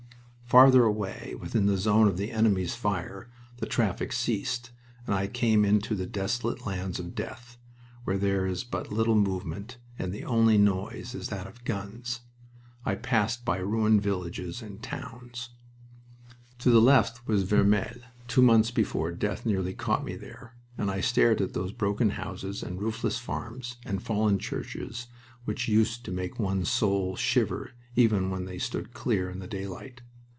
Farther away within the zone of the enemy's fire the traffic ceased, and I came into the desolate lands of death, where there is but little movement, and the only noise is that of guns. I passed by ruined villages and towns. To the left was Vermelles (two months before death nearly caught me there), and I stared at those broken houses and roofless farms and fallen churches which used to make one's soul shiver even when they stood clear in the daylight.